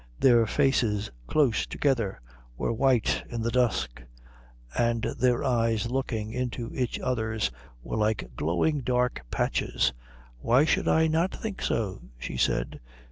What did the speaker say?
Their faces, close together, were white in the dusk, and their eyes looking into each other's were like glowing dark patches. "Why should I not think so?" she said.